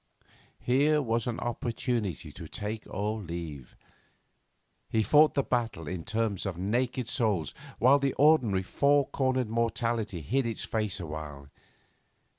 Here was an opportunity to take or leave. He fought the battle in terms of naked souls, while the ordinary four cornered morality hid its face awhile.